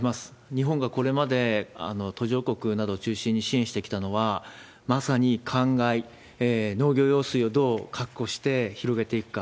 日本がこれまで途上国などを中心に支援してきたのは、まさにかんがい農業用水をどう確保して、広げていくか。